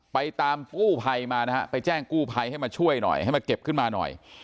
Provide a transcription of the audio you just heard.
ไปตามกู้ภัยมานะฮะไปแจ้งกู้ภัยให้มาช่วยหน่อยให้มาเก็บขึ้นมาหน่อย